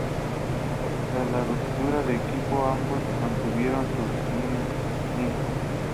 Tras la ruptura del equipo, ambos mantuvieron sus gimmick.